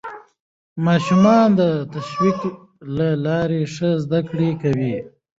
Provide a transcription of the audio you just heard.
ماشومان د تشویق له لارې ښه زده کړه کوي